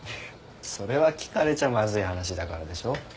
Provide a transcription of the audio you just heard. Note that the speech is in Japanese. それは聞かれちゃまずい話だからでしょ？